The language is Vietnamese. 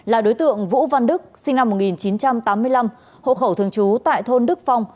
là đối tượng vũ văn đức sinh năm một nghìn chín trăm tám mươi năm hộ khẩu thường trú tại thôn đức phong